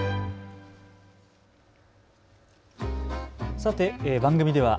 さて番組では＃